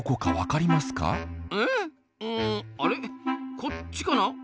こっちかな？